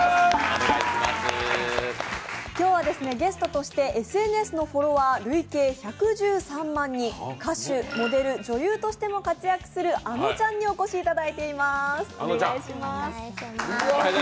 今日はゲストとしてＳＮＳのフォロワー累計１１３万人歌手、モデル、女優としても活躍するあのちゃんにお越しいただいています。